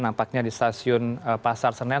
nampaknya di stasiun pasar senen